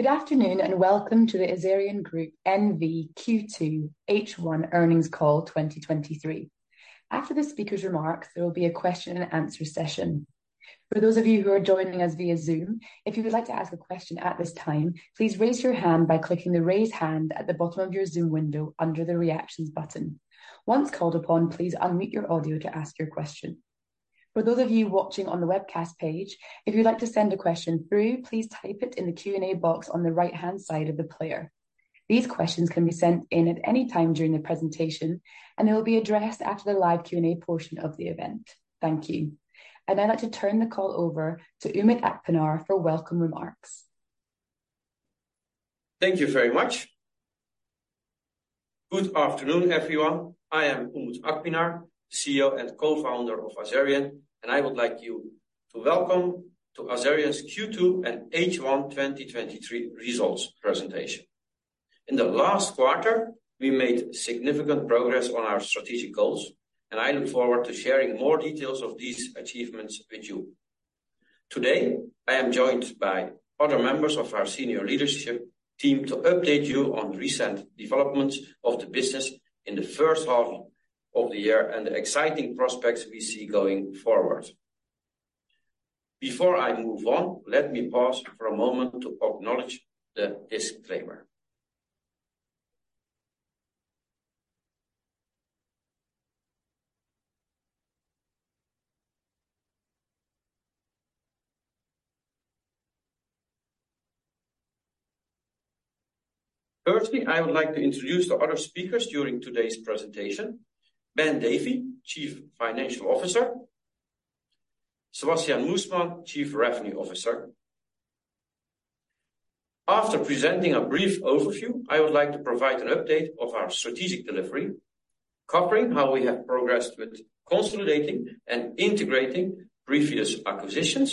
Good afternoon, and welcome to the Azerion Group N.V. Q2 H1 earnings call 2023. After the speaker's remarks, there will be a question and answer session. For those of you who are joining us via Zoom, if you would like to ask a question at this time, please raise your hand by clicking the Raise Hand at the bottom of your Zoom window under the Reactions button. Once called upon, please unmute your audio to ask your question. For those of you watching on the webcast page, if you'd like to send a question through, please type it in the Q&A box on the right-hand side of the player. These questions can be sent in at any time during the presentation, and they will be addressed after the live Q&A portion of the event. Thank you. I'd now like to turn the call over to Umut Akpinar for welcome remarks. Thank you very much. Good afternoon, everyone. I am Umut Akpinar, CEO and co-founder of Azerion, and I would like you to welcome to Azerion's Q2 and H1 2023 results presentation. In the last quarter, we made significant progress on our strategic goals, and I look forward to sharing more details of these achievements with you. Today, I am joined by other members of our senior leadership team to update you on recent developments of the business in the first half of the year and the exciting prospects we see going forward. Before I move on, let me pause for a moment to acknowledge the disclaimer. Firstly, I would like to introduce the other speakers during today's presentation: Ben Davey, Chief Financial Officer, Sebastiaan Moesman, Chief Revenue Officer. After presenting a brief overview, I would like to provide an update of our strategic delivery, covering how we have progressed with consolidating and integrating previous acquisitions,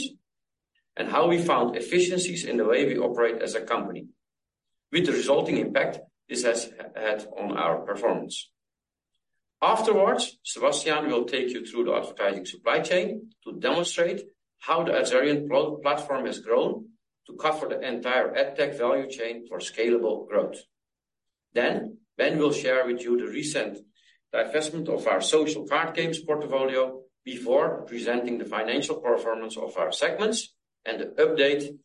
and how we found efficiencies in the way we operate as a company, with the resulting impact this has had on our performance. Afterwards, Sebastiaan will take you through the advertising supply chain to demonstrate how the Azerion platform has grown to cover the entire ad tech value chain for scalable growth. Then, Ben will share with you the recent divestment of our social card games portfolio before presenting the financial performance of our segments and the update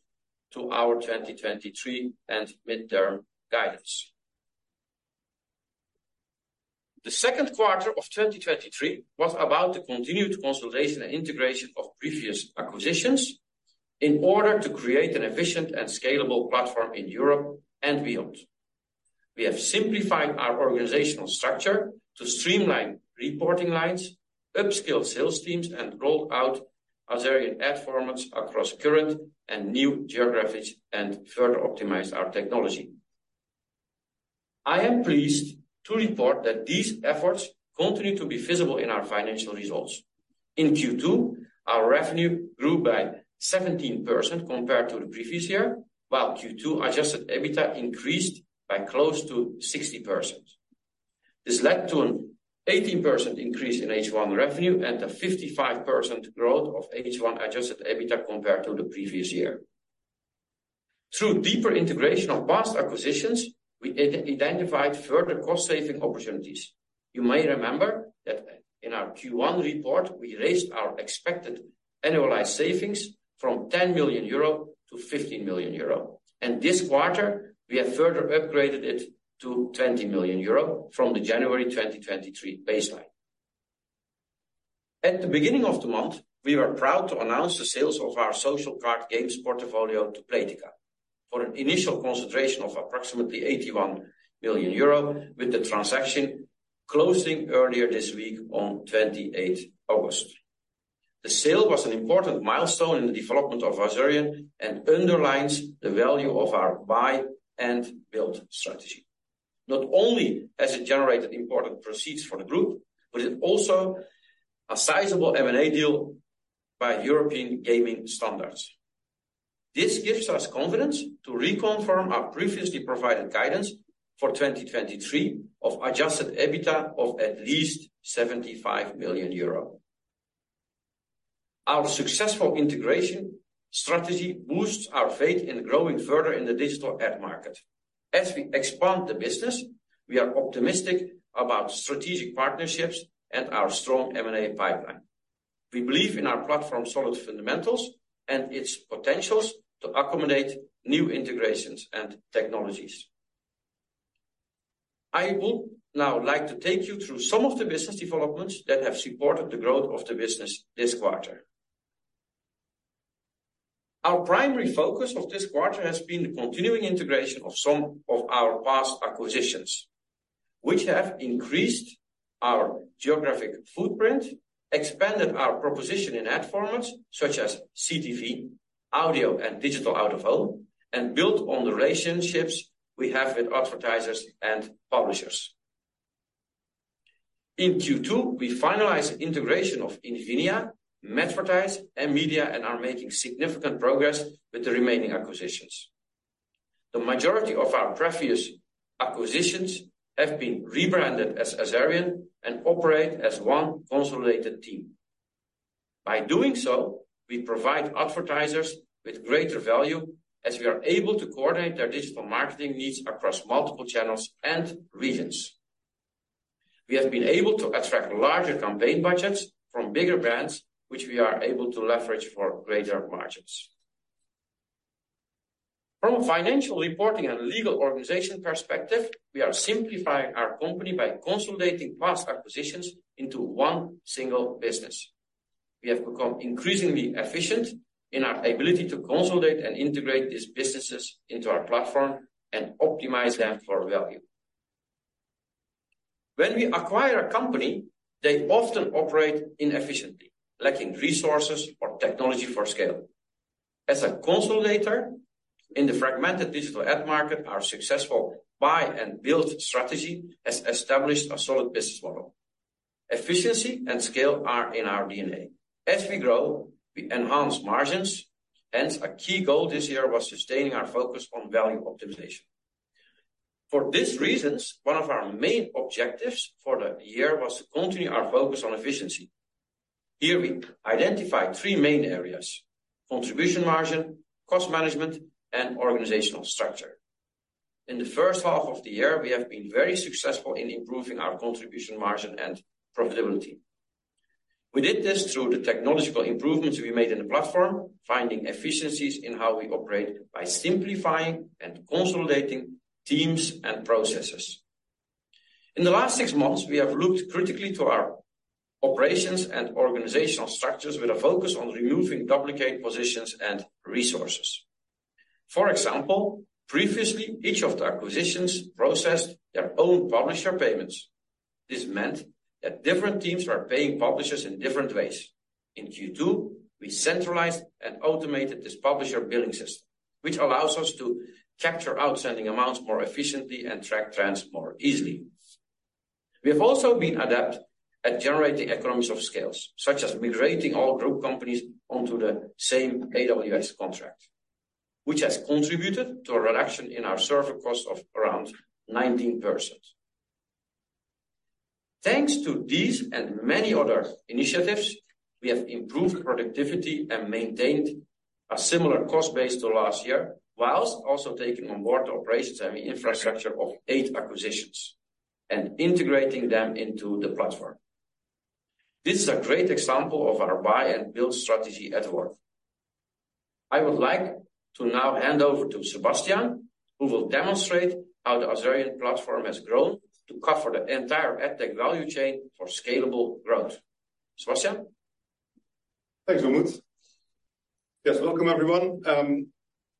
to our 2023 and midterm guidance. The second quarter of 2023 was about the continued consolidation and integration of previous acquisitions in order to create an efficient and scalable platform in Europe and beyond. We have simplified our organizational structure to streamline reporting lines, upskill sales teams, and rolled out Azerion ad formats across current and new geographies, and further optimize our technology. I am pleased to report that these efforts continue to be visible in our financial results. In Q2, our revenue grew by 17% compared to the previous year, while Q2 adjusted EBITDA increased by close to 60%. This led to an 18% increase in H1 revenue and a 55% growth of H1 adjusted EBITDA compared to the previous year. Through deeper integration of past acquisitions, we identified further cost-saving opportunities. You may remember that in our Q1 report, we raised our expected annualized savings from 10 million euro to 15 million euro, and this quarter, we have further upgraded it to 20 million euro from the January 2023 baseline. At the beginning of the month, we were proud to announce the sale of our social card games portfolio to Playtika for an initial consideration of approximately 81 million euro, with the transaction closing earlier this week on 28 August. The sale was an important milestone in the development of Azerion and underlines the value of our buy and build strategy. Not only has it generated important proceeds for the group, but it's also a sizable M&A deal by European gaming standards. This gives us confidence to reconfirm our previously provided guidance for 2023 of adjusted EBITDA of at least 75 million euro. Our successful integration strategy boosts our faith in growing further in the digital ad market. As we expand the business, we are optimistic about strategic partnerships and our strong M&A pipeline. We believe in our platform's solid fundamentals and its potentials to accommodate new integrations and technologies. I would now like to take you through some of the business developments that have supported the growth of the business this quarter. Our primary focus of this quarter has been the continuing integration of some of our past acquisitions, which have increased our geographic footprint, expanded our proposition in ad formats such as CTV, audio, and digital out-of-home, and built on the relationships we have with advertisers and publishers. In Q2, we finalized the integration of Infinia, Madvertise, and Media, and are making significant progress with the remaining acquisitions. The majority of our previous acquisitions have been rebranded as Azerion and operate as one consolidated team. By doing so, we provide advertisers with greater value, as we are able to coordinate their digital marketing needs across multiple channels and regions. We have been able to attract larger campaign budgets from bigger brands, which we are able to leverage for greater margins. From a financial reporting and legal organization perspective, we are simplifying our company by consolidating past acquisitions into one single business. We have become increasingly efficient in our ability to consolidate and integrate these businesses into our platform and optimize them for value. When we acquire a company, they often operate inefficiently, lacking resources or technology for scale. As a consolidator in the fragmented digital ad market, our successful buy and build strategy has established a solid business model. Efficiency and scale are in our DNA. As we grow, we enhance margins, hence a key goal this year was sustaining our focus on value optimization. For these reasons, one of our main objectives for the year was to continue our focus on efficiency. Here we identified three main areas: contribution margin, cost management, and organizational structure. In the first half of the year, we have been very successful in improving our contribution margin and profitability. We did this through the technological improvements we made in the platform, finding efficiencies in how we operate by simplifying and consolidating teams and processes. In the last six months, we have looked critically to our operations and organizational structures with a focus on removing duplicate positions and resources. For example, previously, each of the acquisitions processed their own publisher payments. This meant that different teams were paying publishers in different ways. In Q2, we centralized and automated this publisher billing system, which allows us to capture outstanding amounts more efficiently and track trends more easily. We have also been adept at generating economies of scale, such as migrating all group companies onto the same AWS contract, which has contributed to a reduction in our server cost of around 19%. Thanks to these and many other initiatives, we have improved productivity and maintained a similar cost base to last year, while also taking on board the operations and infrastructure of eight acquisitions and integrating them into the platform. This is a great example of our buy and build strategy at work. I would like to now hand over to Sebastiaan, who will demonstrate how the Azerion platform has grown to cover the entire ad tech value chain for scalable growth. Sebastiaan? Thanks, Umut. Yes, welcome, everyone.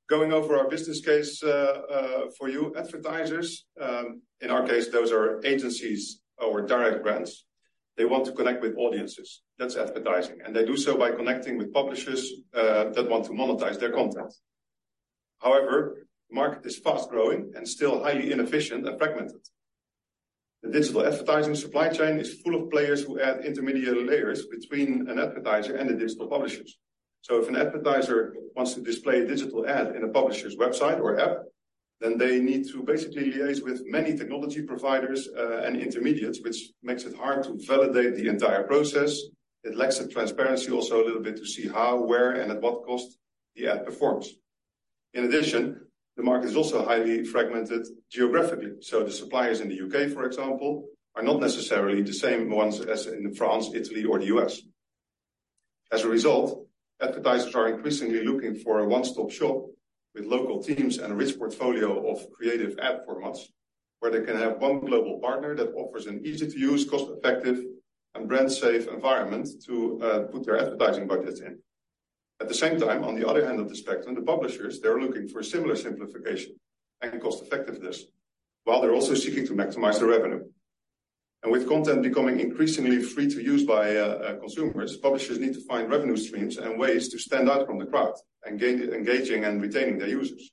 Going over our business case for you advertisers, in our case, those are agencies or direct brands. They want to connect with audiences, that's advertising, and they do so by connecting with publishers that want to monetize their content. However, the market is fast-growing and still highly inefficient and fragmented. The digital advertising supply chain is full of players who add intermediate layers between an advertiser and the digital publishers. So if an advertiser wants to display a digital ad in a publisher's website or app, then they need to basically liaise with many technology providers and intermediaries, which makes it hard to validate the entire process. It lacks the transparency also a little bit to see how, where, and at what cost the ad performs. In addition, the market is also highly fragmented geographically. So the suppliers in the U.K., for example, are not necessarily the same ones as in France, Italy, or the U.S. As a result, advertisers are increasingly looking for a one-stop shop with local teams and a rich portfolio of creative ad formats, where they can have one global partner that offers an easy-to-use, cost-effective, and brand-safe environment to put their advertising budgets in. At the same time, on the other end of the spectrum, the publishers, they're looking for a similar simplification and cost-effectiveness, while they're also seeking to maximize their revenue. And with content becoming increasingly free to use by consumers, publishers need to find revenue streams and ways to stand out from the crowd and gain engaging and retaining their users.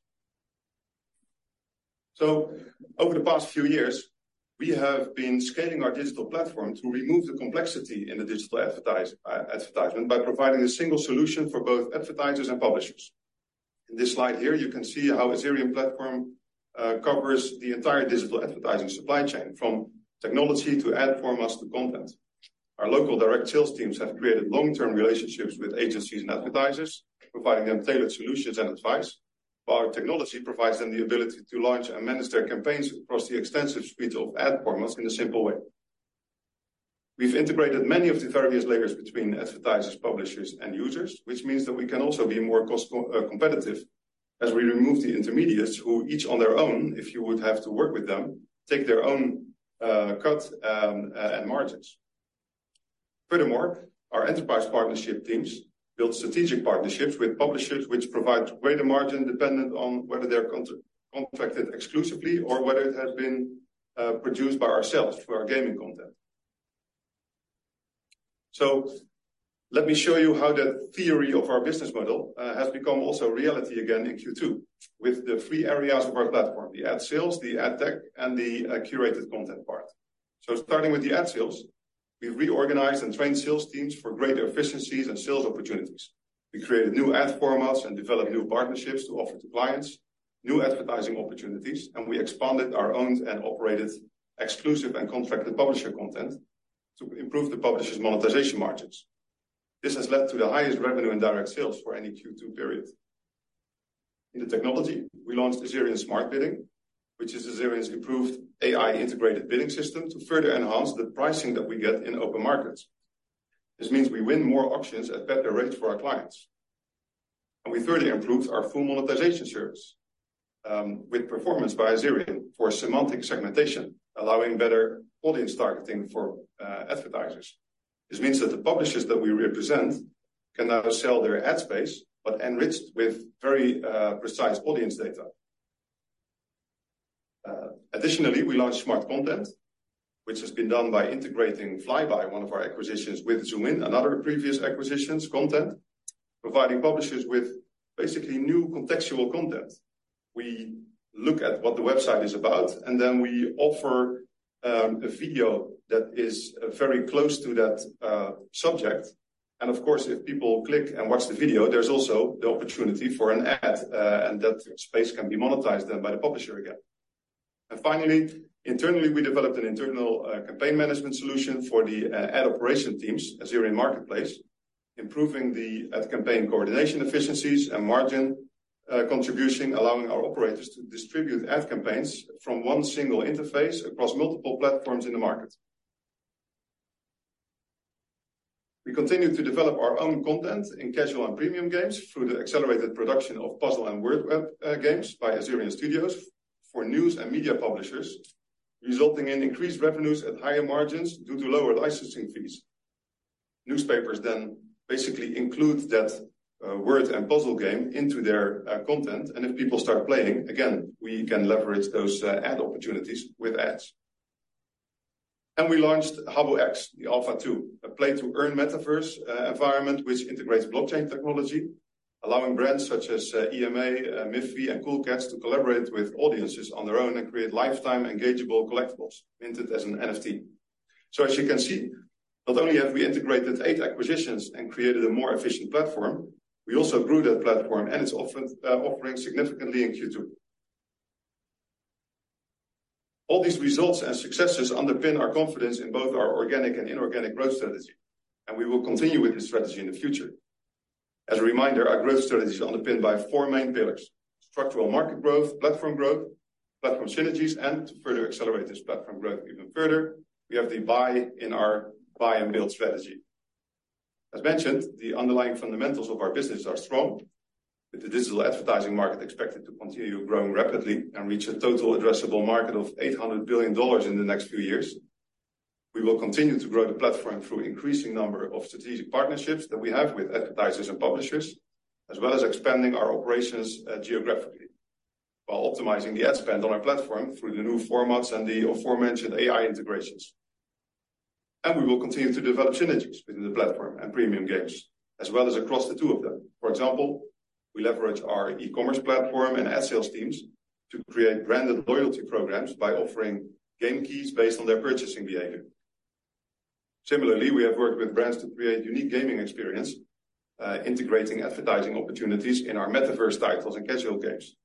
So over the past few years, we have been scaling our digital platform to remove the complexity in the digital advertisement by providing a single solution for both advertisers and publishers. In this slide here, you can see how Azerion platform covers the entire digital advertising supply chain, from technology to ad formats to content. Our local direct sales teams have created long-term relationships with agencies and advertisers, providing them tailored solutions and advice, while our technology provides them the ability to launch and manage their campaigns across the extensive suite of ad formats in a simple way. We've integrated many of the various layers between advertisers, publishers, and users, which means that we can also be more cost competitive as we remove the intermediates, who each on their own, if you would have to work with them, take their own cut and margins. Furthermore, our enterprise partnership teams build strategic partnerships with publishers, which provides greater margin, dependent on whether they're contracted exclusively or whether it has been produced by ourselves for our gaming content. So let me show you how the theory of our business model has become also a reality again in Q2, with the three areas of our platform, the ad sales, the ad tech, and the curated content part. So starting with the ad sales, we reorganized and trained sales teams for greater efficiencies and sales opportunities. We created new ad formats and developed new partnerships to offer to clients new advertising opportunities, and we expanded our owned and operated exclusive and contracted publisher content to improve the publisher's monetization margins. This has led to the highest revenue in direct sales for any Q2 period. In the technology, we launched Azerion Smart Bidding, which is Azerion's improved AI-integrated bidding system to further enhance the pricing that we get in open markets. This means we win more auctions at better rates for our clients, and we further improved our full monetization service with Performance by Azerion for semantic segmentation, allowing better audience targeting for advertisers. This means that the publishers that we represent can now sell their ad space, but enriched with very precise audience data. Additionally, we launched Smart Content, which has been done by integrating Vlyby, one of our acquisitions, with Zoomin, another previous acquisition's content, providing publishers with basically new contextual content. We look at what the website is about, and then we offer a video that is very close to that subject. And of course, if people click and watch the video, there's also the opportunity for an ad, and that space can be monetized then by the publisher again. And finally, internally, we developed an internal campaign management solution for the ad operation teams, Azerion Marketplace, improving the ad campaign coordination efficiencies and margin contribution, allowing our operators to distribute ad campaigns from one single interface across multiple platforms in the market. We continued to develop our own content in casual and premium games through the accelerated production of puzzle and word web games by Azerion Studio for news and media publishers, resulting in increased revenues at higher margins due to lower licensing fees. Newspapers then basically include that word and puzzle game into their content, and if people start playing, again, we can leverage those ad opportunities with ads. And we launched Habbo X: Alpha 2, a play-to-earn metaverse environment which integrates blockchain technology, allowing brands such as EMA, Miffy, and Cool Cats to collaborate with audiences on their own and create lifetime engageable collectibles minted as an NFT. So as you can see, not only have we integrated eight acquisitions and created a more efficient platform, we also grew that platform, and it's often offering significantly in Q2. All these results and successes underpin our confidence in both our organic and inorganic growth strategy, and we will continue with this strategy in the future. As a reminder, our growth strategy is underpinned by four main pillars: structural market growth, platform growth, platform synergies, and to further accelerate this platform growth even further, we have the buy in our buy and build strategy. As mentioned, the underlying fundamentals of our business are strong, with the digital advertising market expected to continue growing rapidly and reach a total addressable market of $800 billion in the next few years. We will continue to grow the platform through increasing number of strategic partnerships that we have with advertisers and publishers, as well as expanding our operations, geographically, while optimizing the ad spend on our platform through the new formats and the aforementioned AI integrations. And we will continue to develop synergies between the platform and premium games, as well as across the two of them. For example, we leverage our e-commerce platform and ad sales teams to create branded loyalty programs by offering game keys based on their purchasing behavior. Similarly, we have worked with brands to create unique gaming experience, integrating advertising opportunities in our metaverse titles and casual games.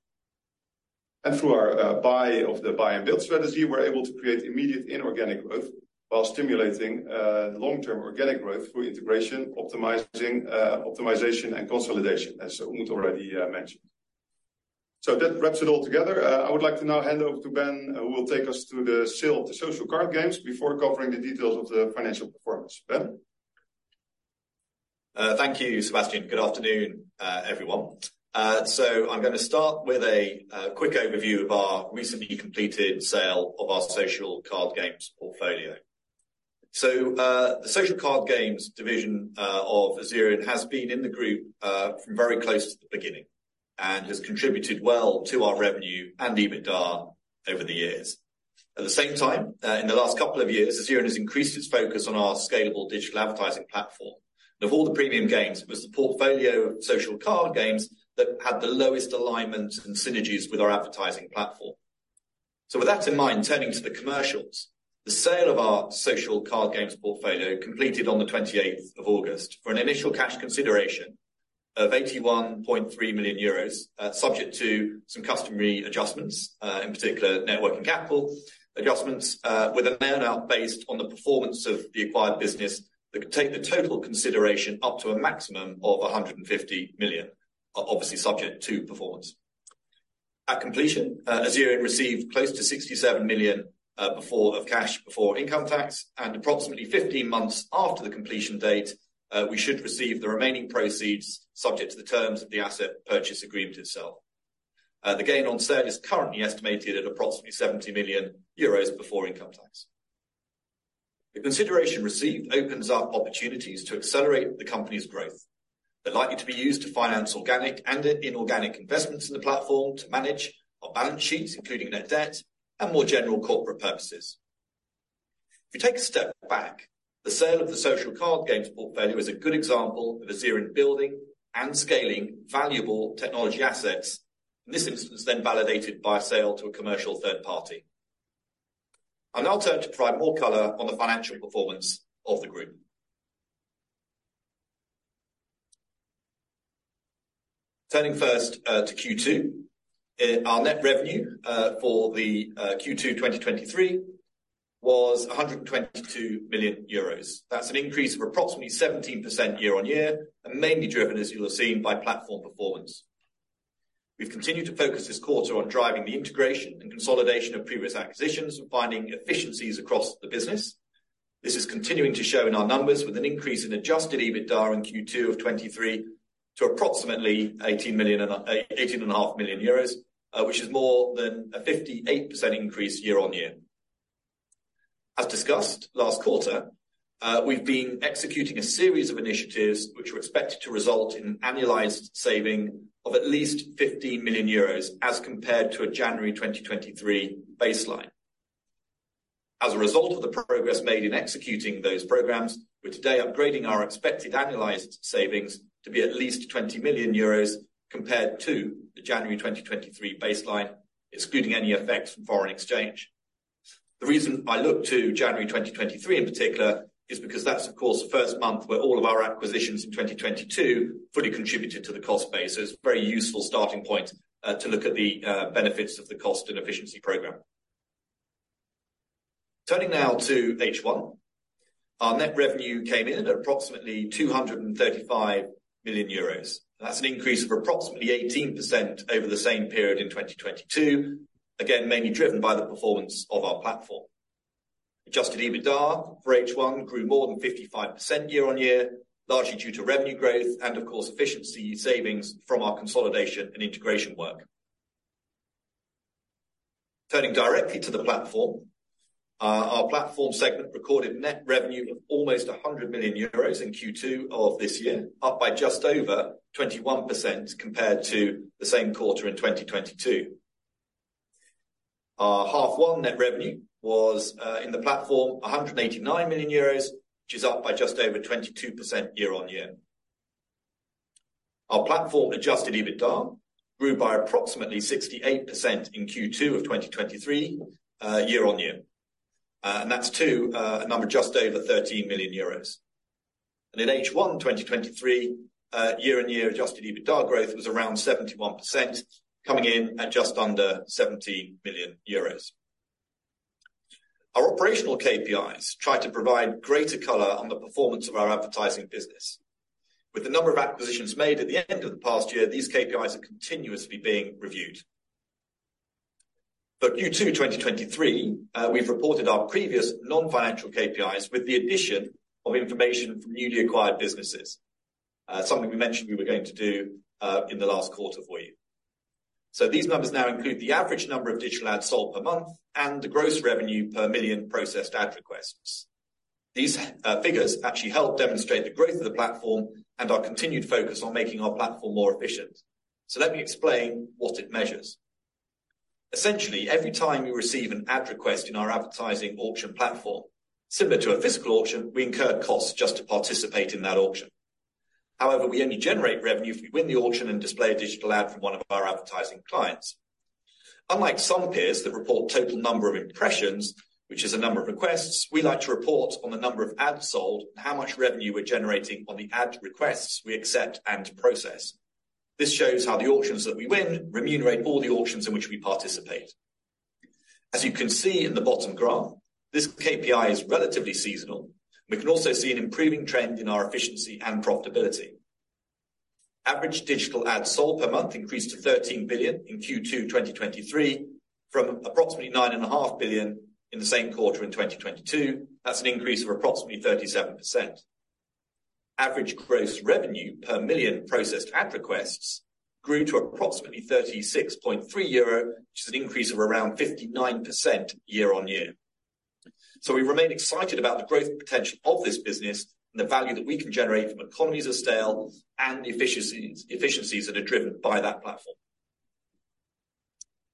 And through our buy of the buy and build strategy, we're able to create immediate inorganic growth while stimulating long-term organic growth through integration, optimizing optimization, and consolidation, as Umut already mentioned. So that wraps it all together. I would like to now hand over to Ben, who will take us through the sale of the social card games before covering the details of the financial performance. Ben? Thank you, Sebastiaan. Good afternoon, everyone. So I'm gonna start with a quick overview of our recently completed sale of our social card games portfolio. So, the social card games division of Azerion has been in the group from very close to the beginning and has contributed well to our revenue and EBITDA over the years. At the same time, in the last couple of years, Azerion has increased its focus on our scalable digital advertising platform. Of all the premium games, it was the portfolio of social card games that had the lowest alignment and synergies with our advertising platform. So with that in mind, turning to the commercials, the sale of our social card games portfolio completed on the 28th of August for an initial cash consideration of 81.3 million euros, subject to some customary adjustments, in particular, net working capital adjustments, with an earnout based on the performance of the acquired business that could take the total consideration up to a maximum of 150 million, obviously, subject to performance. At completion, Azerion received close to 67 million of cash before income tax, and approximately 15 months after the completion date, we should receive the remaining proceeds, subject to the terms of the asset purchase agreement itself. The gain on sale is currently estimated at approximately 70 million euros before income tax. The consideration received opens up opportunities to accelerate the company's growth. They're likely to be used to finance organic and inorganic investments in the platform to manage our balance sheets, including net debt and more general corporate purposes. If we take a step back, the sale of the social card games portfolio is a good example of Azerion building and scaling valuable technology assets, in this instance, then validated by a sale to a commercial third party. I'll now turn to provide more color on the financial performance of the group. Turning first, to Q2, our net revenue, for the, Q2 2023 was 122 million euros. That's an increase of approximately 17% year-on-year, and mainly driven, as you will have seen, by platform performance. We've continued to focus this quarter on driving the integration and consolidation of previous acquisitions and finding efficiencies across the business. This is continuing to show in our numbers with an increase in adjusted EBITDA in Q2 2023 to approximately 18 million-18.5 million euros, which is more than a 58% increase year-on-year. As discussed last quarter, we've been executing a series of initiatives which were expected to result in an annualized saving of at least 15 million euros as compared to a January 2023 baseline. As a result of the progress made in executing those programs, we're today upgrading our expected annualized savings to be at least 20 million euros compared to the January 2023 baseline, excluding any effects from foreign exchange. The reason I look to January 2023, in particular, is because that's, of course, the first month where all of our acquisitions in 2022 fully contributed to the cost base. So it's a very useful starting point to look at the benefits of the cost and efficiency program. Turning now to H1, our net revenue came in at approximately 235 million euros. That's an increase of approximately 18% over the same period in 2022, again, mainly driven by the performance of our platform. Adjusted EBITDA for H1 grew more than 55% year-on-year, largely due to revenue growth and, of course, efficiency savings from our consolidation and integration work. Turning directly to the platform, our platform segment recorded net revenue of almost 100 million euros in Q2 of this year, up by just over 21% compared to the same quarter in 2022. Our H1 net revenue was in the platform 189 million euros, which is up by just over 22% year-on-year. Our platform adjusted EBITDA grew by approximately 68% in Q2 of 2023 year-on-year. And that's to a number just over 13 million euros. In H1 2023 year-on-year, adjusted EBITDA growth was around 71%, coming in at just under 70 million euros. Our operational KPIs try to provide greater color on the performance of our advertising business. With the number of acquisitions made at the end of the past year, these KPIs are continuously being reviewed. For Q2 2023, we've reported our previous non-financial KPIs with the addition of information from newly acquired businesses, something we mentioned we were going to do, in the last quarter for you. So these numbers now include the average number of digital ads sold per month and the gross revenue per million processed ad requests. These figures actually help demonstrate the growth of the platform and our continued focus on making our platform more efficient. So let me explain what it measures. Essentially, every time we receive an ad request in our advertising auction platform, similar to a physical auction, we incur costs just to participate in that auction. However, we only generate revenue if we win the auction and display a digital ad from one of our advertising clients. Unlike some peers that report total number of impressions, which is a number of requests, we like to report on the number of ads sold and how much revenue we're generating on the ad requests we accept and process. This shows how the auctions that we win remunerate all the auctions in which we participate. As you can see in the bottom graph, this KPI is relatively seasonal. We can also see an improving trend in our efficiency and profitability. Average digital ads sold per month increased toEUR 13 billion in Q2 2023, from approximately 9.5 billion in the same quarter in 2022. That's an increase of approximately 37%. Average gross revenue per million processed ad requests grew to approximately 36.3 euro, which is an increase of around 59% year-on-year. So we remain excited about the growth potential of this business and the value that we can generate from economies of scale and efficiencies, efficiencies that are driven by that platform.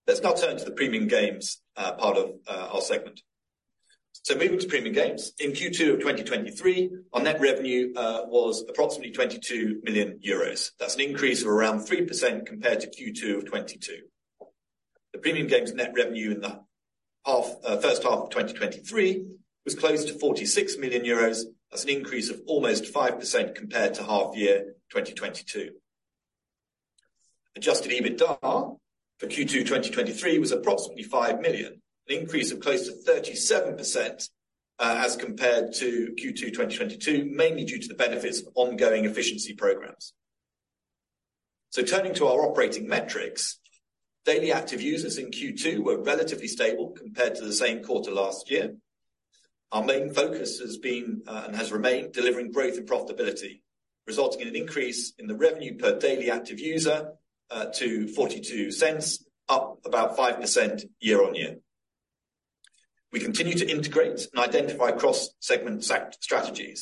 Let's now turn to the Premium Games part of our segment. So moving to Premium Games. In Q2 of 2023, our net revenue was approximately 22 million euros. That's an increase of around 3% compared to Q2 of 2022. The Premium Games net revenue in the first half of 2023 was close to 46 million euros. That's an increase of almost 5% compared to half year 2022. Adjusted EBITDA for Q2 2023 was approximately 5 million, an increase of close to 37%, as compared to Q2 2022, mainly due to the benefits of ongoing efficiency programs. Turning to our operating metrics, daily active users in Q2 were relatively stable compared to the same quarter last year. Our main focus has been and has remained delivering growth and profitability, resulting in an increase in the revenue per daily active user to 0.42, up about 5% year-on-year. We continue to integrate and identify cross-segment synergies,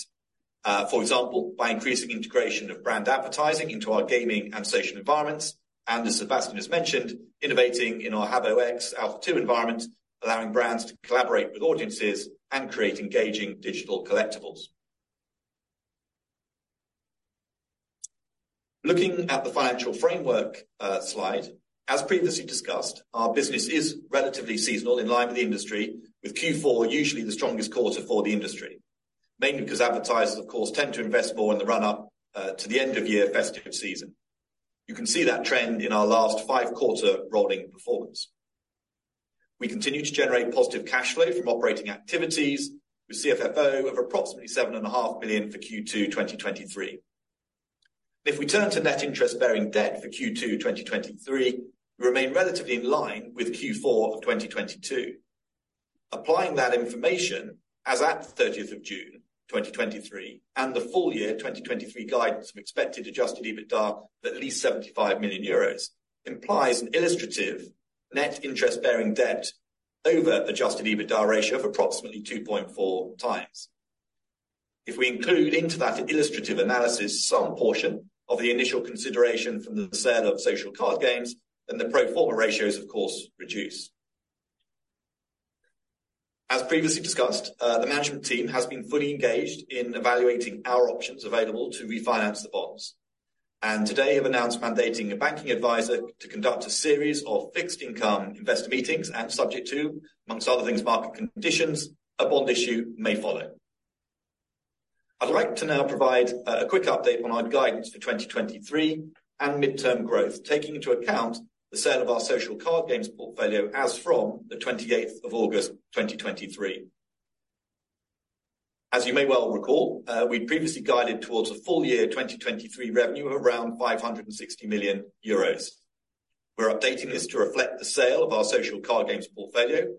for example, by increasing integration of brand advertising into our gaming and social environments, and as Sebastiaan has mentioned, innovating in our Habbo X: Alpha 2 environment, allowing brands to collaborate with audiences and create engaging digital collectibles. Looking at the financial framework slide, as previously discussed, our business is relatively seasonal in line with the industry, with Q4 usually the strongest quarter for the industry. Mainly because advertisers, of course, tend to invest more in the run-up to the end-of-year festive season. You can see that trend in our last five-quarter rolling performance. We continue to generate positive cash flow from operating activities with CFFO of approximately 7.5 million for Q2 2023. If we turn to net interest-bearing debt for Q2 2023, we remain relatively in line with Q4 2022. Applying that information, as at 30th of June 2023, and the full-year 2023 guidance of expected adjusted EBITDA of at least 75 million euros, implies an illustrative net interest-bearing debt over adjusted EBITDA ratio of approximately 2.4x. If we include into that illustrative analysis some portion of the initial consideration from the sale of social card games, then the pro forma ratios, of course, reduce. As previously discussed, the management team has been fully engaged in evaluating our options available to refinance the bonds, and today have announced mandating a banking advisor to conduct a series of fixed income investor meetings, and subject to, amongst other things, market conditions, a bond issue may follow. I'd like to now provide a quick update on our guidance for 2023 and midterm growth, taking into account the sale of our social card games portfolio as from the 28th of August, 2023. As you may well recall, we previously guided towards a full year 2023 revenue of around 560 million euros. We're updating this to reflect the sale of our social card games portfolio.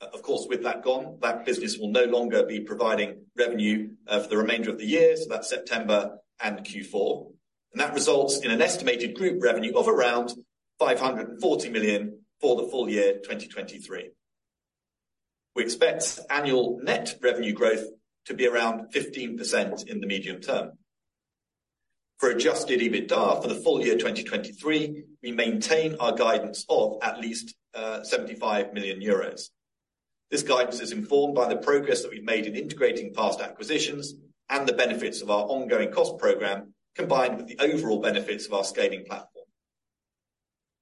Of course, with that gone, that business will no longer be providing revenue for the remainder of the year, so that's September and Q4. That results in an estimated group revenue of around 540 million for the full year 2023. We expect annual net revenue growth to be around 15% in the medium term. For adjusted EBITDA for the full year 2023, we maintain our guidance of at least 75 million euros. This guidance is informed by the progress that we've made in integrating past acquisitions and the benefits of our ongoing cost program, combined with the overall benefits of our scaling platform.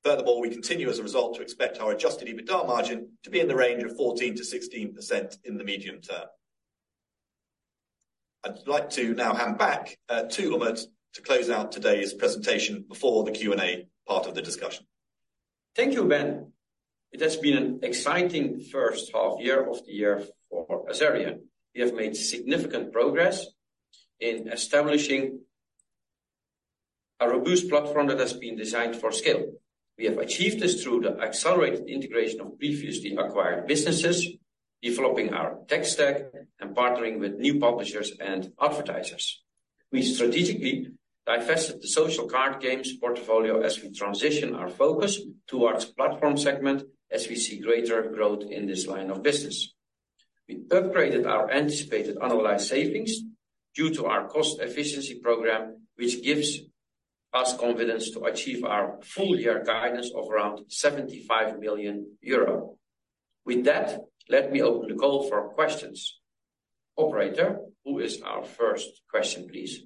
Furthermore, we continue as a result to expect our adjusted EBITDA margin to be in the range of 14%-16% in the medium term. I'd like to now hand back to Umut to close out today's presentation before the Q&A part of the discussion. Thank you, Ben. It has been an exciting first half year of the year for Azerion. We have made significant progress in establishing a robust platform that has been designed for scale. We have achieved this through the accelerated integration of previously acquired businesses, developing our tech stack, and partnering with new publishers and advertisers. We strategically divested the social card games portfolio as we transition our focus towards platform segment as we see greater growth in this line of business. We upgraded our anticipated annualized savings due to our cost efficiency program, which gives us confidence to achieve our full year guidance of around 75 million euro. With that, let me open the call for questions. Operator, who is our first question, please?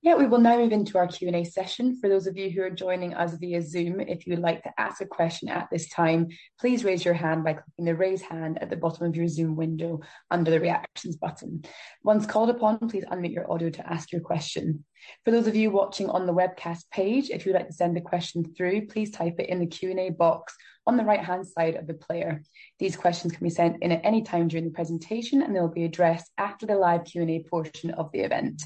Yeah, we will now move into our Q&A session. For those of you who are joining us via Zoom, if you would like to ask a question at this time, please raise your hand by clicking the Raise Hand at the bottom of your Zoom window under the Reactions button. Once called upon, please unmute your audio to ask your question. For those of you watching on the webcast page, if you'd like to send a question through, please type it in the Q&A box on the right-hand side of the player. These questions can be sent in at any time during the presentation, and they'll be addressed after the live Q&A portion of the event.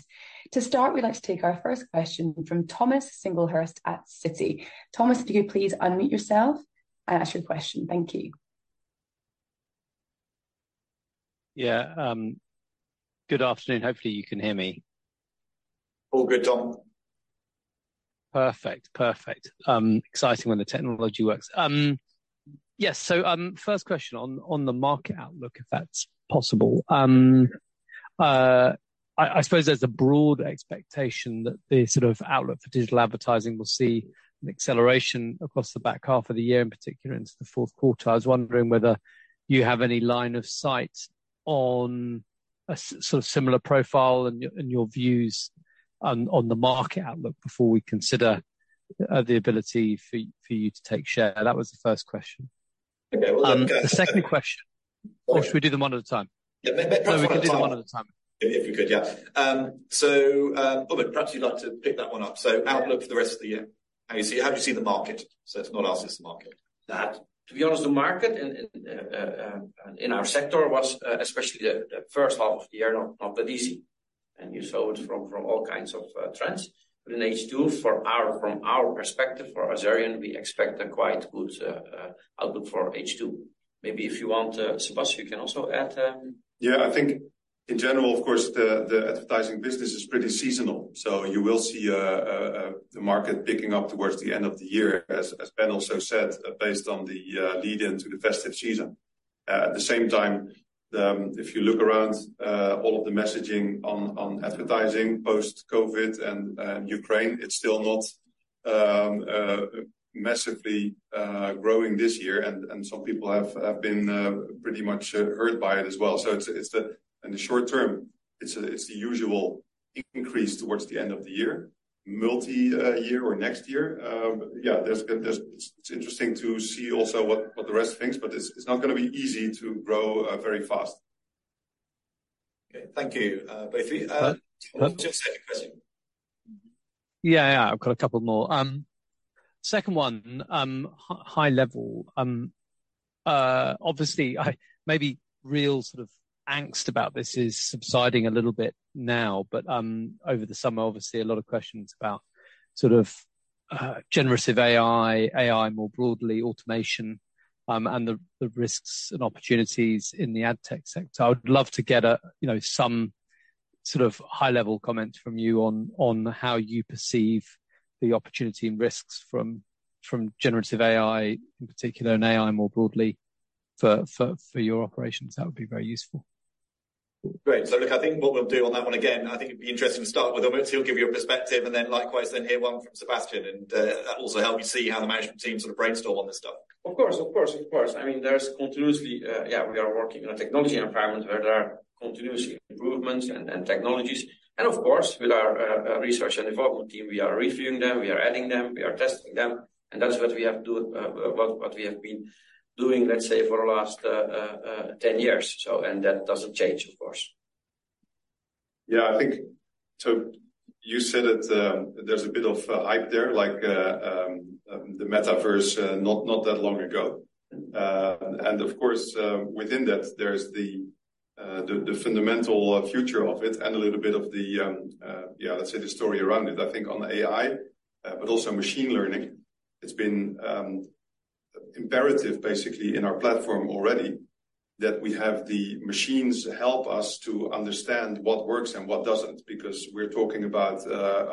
To start, we'd like to take our first question from Thomas Singlehurst at Citi. Thomas, if you could please unmute yourself and ask your question. Thank you. Yeah, good afternoon. Hopefully, you can hear me. All good, Tom. Perfect, perfect. Exciting when the technology works. Yes, so, first question on the market outlook, if that's possible. I suppose there's a broad expectation that the sort of outlook for digital advertising will see an acceleration across the back half of the year, in particular into the fourth quarter. I was wondering whether you have any line of sight on a sort of similar profile and your views on the market outlook before we consider the ability for you to take share? That was the first question. Okay. The second question, or should we do them one at a time? Yeah, maybe one at a time. We can do them one at a time. If we could, yeah. So, Umut, perhaps you'd like to pick that one up. So outlook for the rest of the year, how you see, how do you see the market? So it's not our system market. That, to be honest, the market in our sector was, especially the first half of the year, not that easy, and you saw it from all kinds of trends. But in H2, from our perspective, for Azerion, we expect a quite good outlook for H2. Maybe if you want, Sebastiaan, you can also add. Yeah, I think in general, of course, the advertising business is pretty seasonal, so you will see the market picking up towards the end of the year, as Ben also said, based on the lead-in to the festive season. At the same time, if you look around, all of the messaging on advertising post-COVID and Ukraine, it's still not massively growing this year, and some people have been pretty much hurt by it as well. So it's in the short term, it's the usual increase towards the end of the year. Multi-year or next year, yeah, it's interesting to see also what the rest thinks, but it's not gonna be easy to grow very fast. Okay. Thank you, but. Uh, uh. Just a second question. Yeah, yeah. I've got a couple more. Second one, high level. Obviously, I maybe real sort of angst about this is subsiding a little bit now, but over the summer, obviously, a lot of questions about sort of generative AI, AI more broadly, automation, and the risks and opportunities in the ad tech sector. I would love to get a, you know, some sort of high-level comment from you on how you perceive the opportunity and risks from generative AI, in particular, and AI more broadly, for your operations. That would be very useful. Great. So look, I think what we'll do on that one again, I think it'd be interesting to start with Umut. He'll give you a perspective, and then likewise, then hear one from Sebastiaan, and, that will also help you see how the management team sort of brainstorm on this stuff. Of course, of course, of course. I mean, there's continuously yeah, we are working in a technology environment where there are continuous improvements and technologies, and of course, with our research and development team, we are reviewing them, we are adding them, we are testing them, and that's what we have to do, what we have been doing, let's say, for the last 10 years, so and that doesn't change, of course. Yeah, I think so you said that, there's a bit of hype there, like, the metaverse, not that long ago. And of course, within that, there's the fundamental future of it and a little bit of the, yeah, let's say the story around it. I think on the AI, but also machine learning, it's been imperative, basically, in our platform already, that we have the machines help us to understand what works and what doesn't, because we're talking about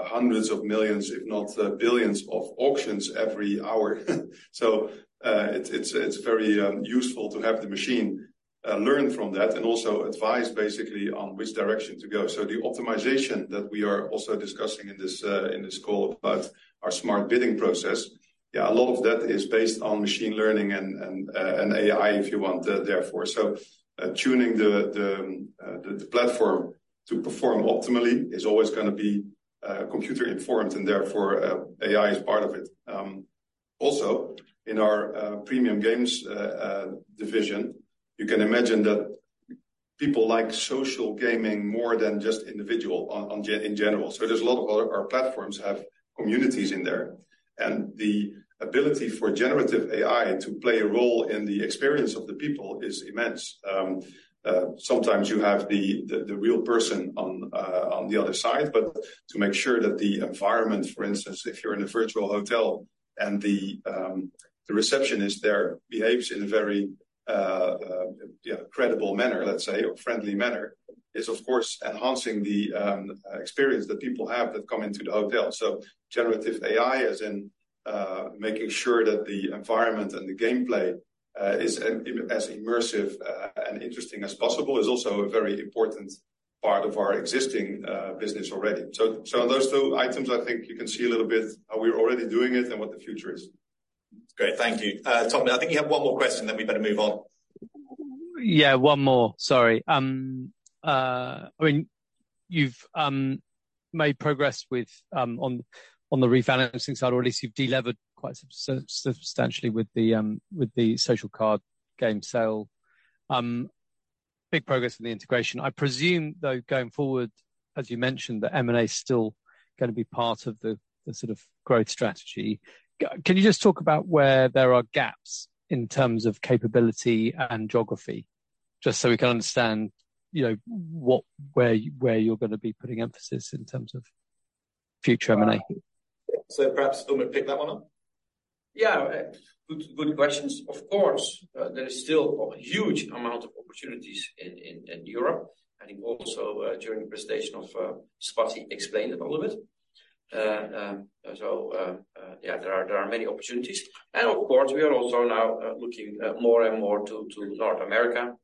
hundreds of millions, if not billions, of auctions every hour. So, it's very useful to have the machine learn from that and also advise basically on which direction to go. So the optimization that we are also discussing in this call about our smart bidding process, yeah, a lot of that is based on machine learning and AI, if you want, therefore. So tuning the platform to perform optimally is always gonna be computer informed, and therefore AI is part of it. Also, in our Premium Games division, you can imagine that people like social gaming more than just individual in general. So there's a lot of our platforms have communities in there, and the ability for generative AI to play a role in the experience of the people is immense. Sometimes you have the real person on the other side, but to make sure that the environment, for instance, if you're in a virtual hotel and the receptionist there behaves in a very credible manner, let's say, or friendly manner, is of course enhancing the experience that people have that come into the hotel. So generative AI, as in, making sure that the environment and the gameplay is as immersive and interesting as possible, is also a very important part of our existing business already. So those two items, I think you can see a little bit how we're already doing it and what the future is. Great. Thank you. Tommy, I think you have one more question, then we better move on. Yeah, one more. Sorry. I mean, you've made progress with on the rebalancing side already. So you've delevered quite substantially with the social card game sale. Big progress in the integration. I presume, though, going forward, as you mentioned, that M&A is still gonna be part of the sort of growth strategy. Can you just talk about where there are gaps in terms of capability and geography, just so we can understand, you know, what, where you're gonna be putting emphasis in terms of future M&A? Perhaps, Thomas, pick that one up. Yeah. Good, good questions. Of course, there is still a huge amount of opportunities in Europe, and also, during the presentation, Spotty explained a little bit. So, yeah, there are many opportunities, and of course, we are also now looking more and more to North America,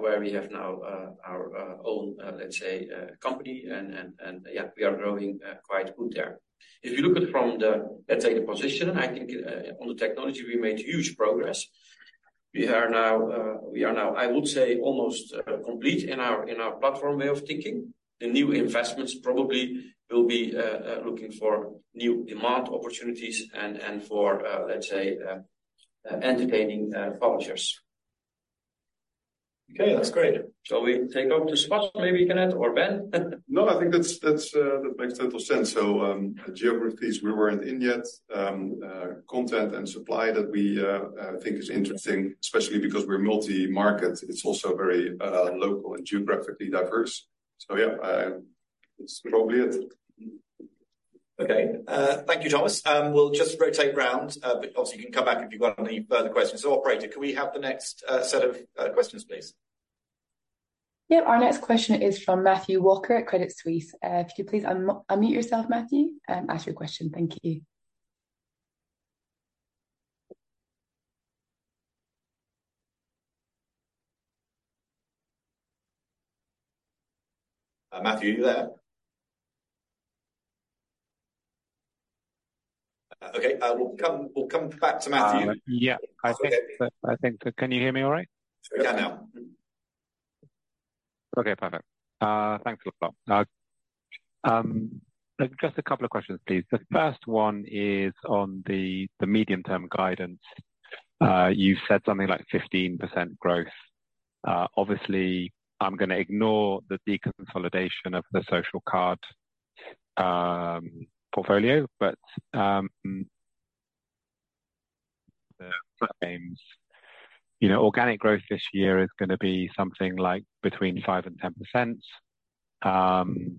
where we have now our own, let's say, company, and yeah, we are growing quite good there. If you look at it from the, let's say, the position, I think on the technology, we made huge progress. We are now, I would say, almost complete in our platform way of thinking. The new investments probably will be looking for new demand opportunities and for, let's say, entertaining publishers. Okay, that's great. Shall we take over to Spot, maybe, can you or Ben? No, I think that's that makes total sense. So, geographies we were in yet, content and supply that we think is interesting, especially because we're multi-market, it's also very local and geographically diverse. So yeah, that's probably it. Okay. Thank you, Thomas. We'll just rotate round, but obviously, you can come back if you've got any further questions. So, operator, can we have the next set of questions, please? Yep. Our next question is from Matthew Walker at Credit Suisse. If you could please unmute yourself, Matthew, and ask your question. Thank you. Matthew, are you there? Okay, we'll come back to Matthew. Yeah, I think. Can you hear me all right? Yeah, now. Okay, perfect. Thanks a lot. Just a couple of questions, please. The first one is on the medium-term guidance. You said something like 15% growth. Obviously, I'm gonna ignore the deconsolidation of the social card portfolio, but the platform's, you know, organic growth this year is gonna be something like between 5% and 10%.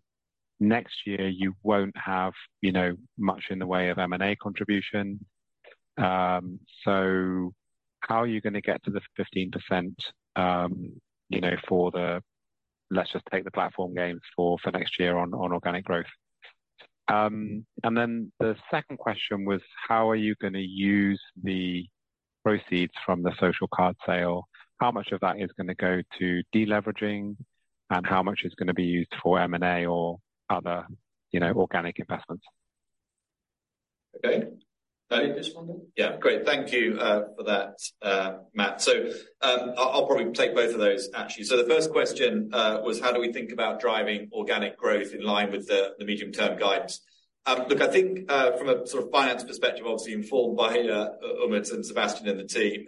Next year, you won't have, you know, much in the way of M&A contribution. So how are you gonna get to the 15%, you know, for the—let's just take the platform game for next year on organic growth? And then the second question was, how are you gonna use the proceeds from the social card sale? How much of that is gonna go to deleveraging, and how much is gonna be used for M&A or other, you know, organic investments? Okay. This one? Yeah, great. Thank you for that, Matt. So, I'll, I'll probably take both of those, actually. So the first question was how do we think about driving organic growth in line with the, the medium-term guidance? Look, I think from a sort of finance perspective, obviously informed by Umut and Sebastiaan and the team,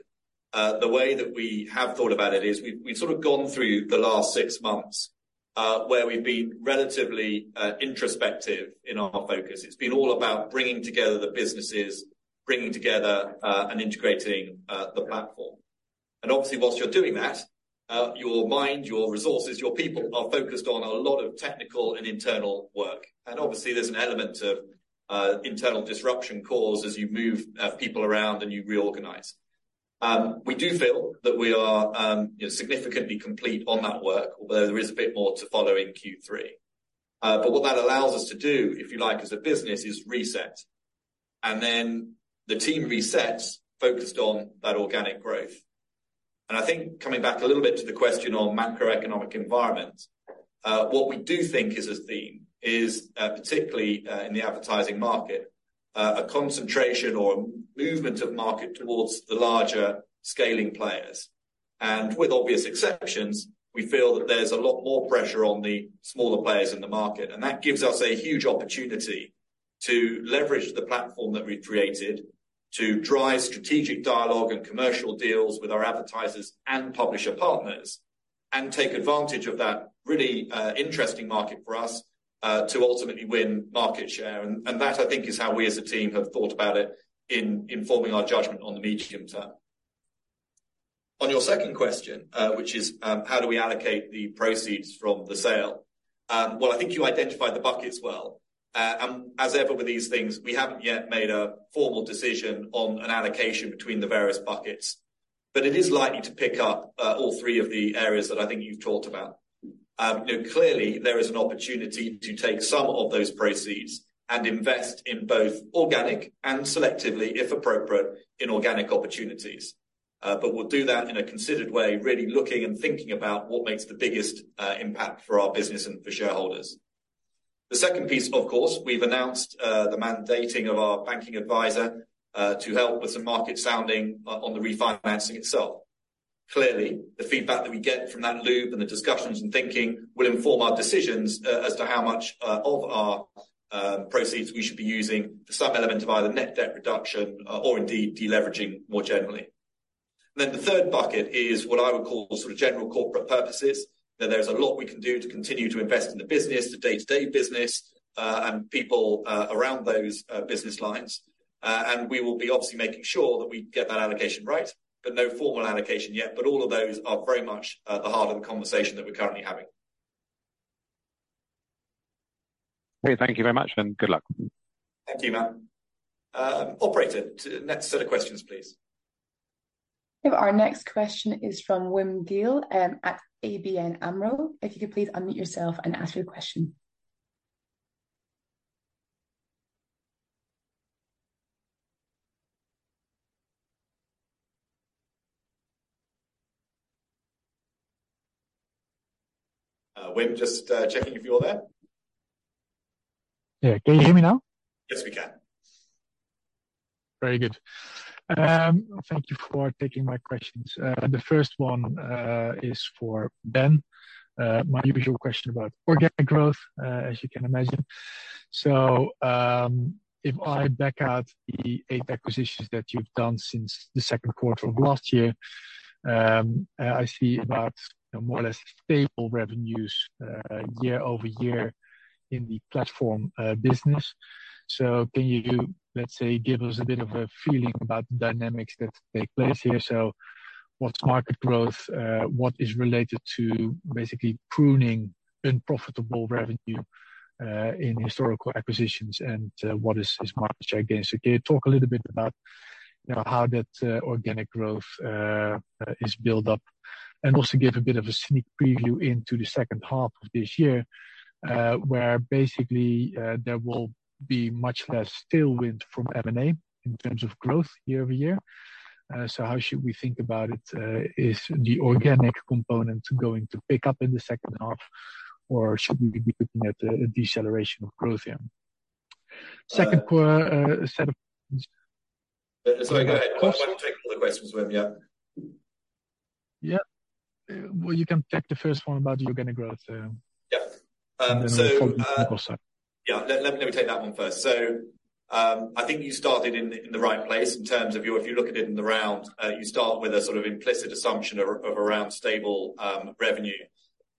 the way that we have thought about it is we've, we've sort of gone through the last six months, where we've been relatively introspective in our focus. It's been all about bringing together the businesses, bringing together and integrating the platform. Obviously, whilst you're doing that, your mind, your resources, your people are focused on a lot of technical and internal work, and obviously, there's an element of internal disruption caused as you move people around and you reorganize. We do feel that we are significantly complete on that work, although there is a bit more to follow in Q3. But what that allows us to do, if you like, as a business, is reset, and then the team resets, focused on that organic growth. I think coming back a little bit to the question on macroeconomic environment, what we do think is a theme is particularly in the advertising market a concentration or a movement of market towards the larger scaling players. With obvious exceptions, we feel that there's a lot more pressure on the smaller players in the market, and that gives us a huge opportunity to leverage the platform that we've created to drive strategic dialogue and commercial deals with our advertisers and publisher partners. And take advantage of that really, interesting market for us, to ultimately win market share. And, and that, I think, is how we as a team have thought about it in informing our judgment on the medium term. On your second question, which is, how do we allocate the proceeds from the sale? Well, I think you identified the buckets well. And as ever, with these things, we haven't yet made a formal decision on an allocation between the various buckets, but it is likely to pick up all three of the areas that I think you've talked about. Clearly, there is an opportunity to take some of those proceeds and invest in both organic and selectively, if appropriate, inorganic opportunities. But we'll do that in a considered way, really looking and thinking about what makes the biggest impact for our business and for shareholders. The second piece, of course, we've announced the mandating of our banking advisor to help with some market sounding on the refinancing itself. Clearly, the feedback that we get from that loop and the discussions and thinking will inform our decisions as to how much of our proceeds we should be using for some element of either net debt reduction or indeed deleveraging more generally. Then the third bucket is what I would call sort of general corporate purposes, that there's a lot we can do to continue to invest in the business, the day-to-day business, and people around those business lines. And we will be obviously making sure that we get that allocation right, but no formal allocation yet, but all of those are very much at the heart of the conversation that we're currently having. Okay, thank you very much, and good luck. Thank you, Matt. Operator, next set of questions, please. Our next question is from Wim Gille at ABN AMRO. If you could please unmute yourself and ask your question. Wim, just checking if you're there. Yeah. Can you hear me now? Yes, we can. Very good. Thank you for taking my questions. The first one is for Ben. My usual question about organic growth, as you can imagine. So, if I back out the eight acquisitions that you've done since the second quarter of last year, I see about more or less stable revenues, year-over-year in the platform business. So can you, let's say, give us a bit of a feeling about the dynamics that take place here? So what's market growth? What is related to basically pruning unprofitable revenue in historical acquisitions, and what is market share gains? Okay, talk a little bit about, you know, how that, organic growth, is built up, and also give a bit of a sneak preview into the second half of this year, where basically, there will be much less tailwind from M&A in terms of growth year-over-year. So how should we think about it? Is the organic component going to pick up in the second half, or should we be looking at a deceleration of growth here? Second quarter, set of questions. Is that okay? I want to take all the questions, Wim, yeah. Yeah. Well, you can take the first one about the organic growth. Yeah. So. And then we go side. Yeah. Let me take that one first. So, I think you started in the right place in terms of your, if you look at it in the round, you start with a sort of implicit assumption of around stable revenue.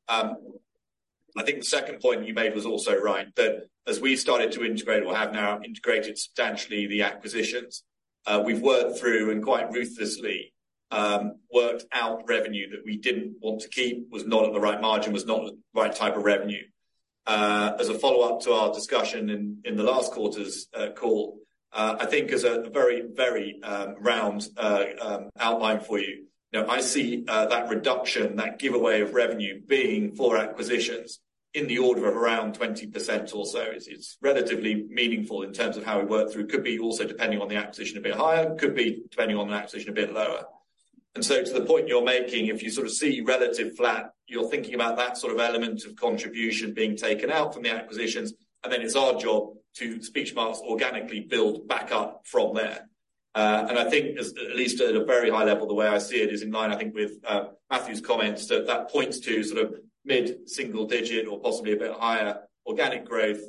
I think the second point you made was also right, that as we started to integrate or have now integrated substantially the acquisitions, we've worked through and quite ruthlessly worked out revenue that we didn't want to keep, was not at the right margin, was not the right type of revenue. As a follow-up to our discussion in the last quarter's call, I think as a very, very round outline for you, now, I see that reduction, that giveaway of revenue being for acquisitions in the order of around 20% or so. It's relatively meaningful in terms of how we work through. Could be also, depending on the acquisition, a bit higher, could be, depending on the acquisition, a bit lower. And so to the point you're making, if you sort of see relative flat, you're thinking about that sort of element of contribution being taken out from the acquisitions, and then it's our job to organically build back up from there. And I think as at least at a very high level, the way I see it is in line, I think, with Matthew's comments, that that points to sort of mid-single digit or possibly a bit higher organic growth,